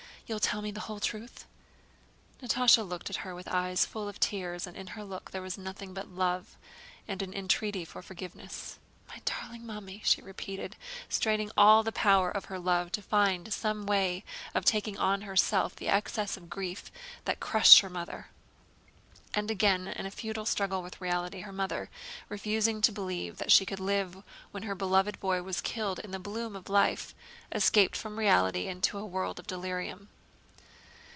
You'll tell me the whole truth?" Natásha looked at her with eyes full of tears and in her look there was nothing but love and an entreaty for forgiveness. "My darling Mummy!" she repeated, straining all the power of her love to find some way of taking on herself the excess of grief that crushed her mother. And again in a futile struggle with reality her mother, refusing to believe that she could live when her beloved boy was killed in the bloom of life, escaped from reality into a world of delirium.